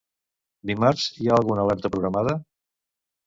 Dimarts hi ha alguna alerta programada?